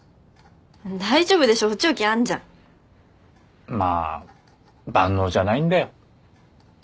大丈夫でしょ補聴器あんじゃん。まあ万能じゃないんだよ。